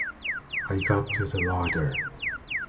I got to the larder.